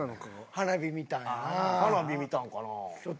花火見たんかな？